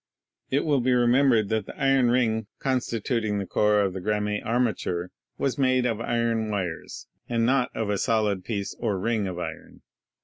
It will be remem bered that the iron ring constituting the core of the ELECTRO MAGNETIC MACHINERY 197 Gramme armature was made of iron wires, and not of a solid piece or ring of iron.